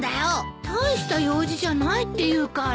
「大した用事じゃない」って言うから。